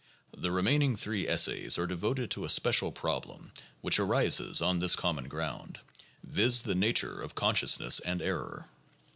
The remaining three essays are devoted to a special problem which arises on this common ground, viz., the nature of consciousness and error.